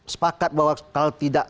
sepakat bahwa kalau tidak